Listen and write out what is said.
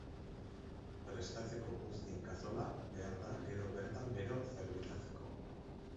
Prestatzeko buztin-kazola behar da gero bertan bero zerbitzatzeko.